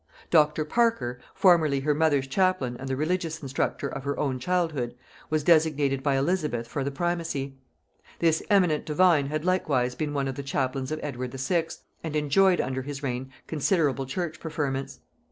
Dr. Parker, formerly her mother's chaplain and the religious instructor of her own childhood, was designated by Elizabeth for the primacy. This eminent divine had likewise been one of the chaplains of Edward VI., and enjoyed under his reign considerable church preferments.